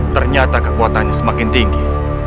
ternyata kekuatannya semakin tinggi